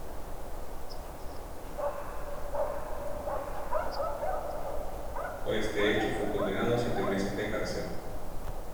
Por este hecho fue condenado a siete meses de cárcel.